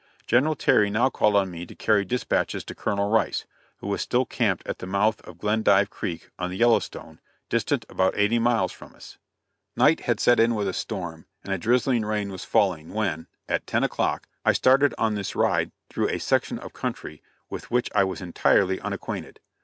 General Terry now called on me to carry dispatches to Colonel Rice, who was still camped at the mouth of Glendive Creek, on the Yellowstone distant about eighty miles from us. Night had set in with a storm, and a drizzling rain was falling when, at ten o'clock, I started on this ride through a section of country with which I was entirely unacquainted.